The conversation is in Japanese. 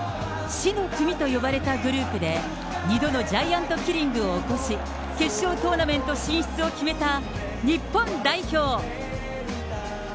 死の組と呼ばれたグループで、２度のジャイアントキリングを起こし、決勝トーナメント進出を決めた日本代表。